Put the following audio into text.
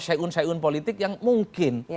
syai'un syai'un politik yang mungkin